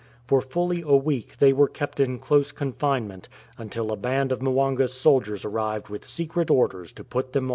For fully a week they were kept in close confinement, until a band of Mwanga's soldiers arrived with secret orders to put them all to death.